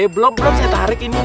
pak d blok blok yang tarik ini